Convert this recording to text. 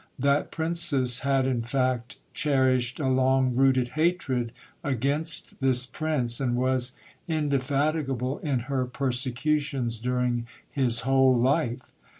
That princess ha 1, in fact, cherished a long rooted hatred against this prince, and was inde fat gable in her persecutions during his whole life.